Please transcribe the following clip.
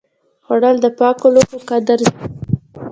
خوړل د پاکو لوښو قدر زیاتوي